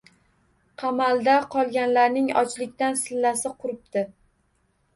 Qamalda qolganlarning ochlikdan sillasi quribdi.